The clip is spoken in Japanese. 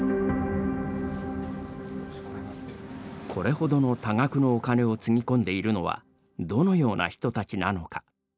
これほどの多額のお金をつぎ込んでいるのはどのような人たちなのか。